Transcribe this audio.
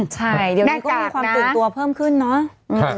ใช่เดี๋ยวนี้ก็มีความตื่นตัวเพิ่มขึ้นเนาะแน่จากนะ